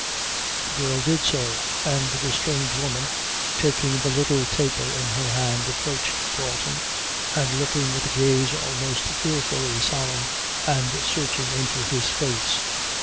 The girl did so, and the strange woman, taking the little taper in her hand, approached Dalton, and looking with a gaze almost fearfully solemn and searching into his face.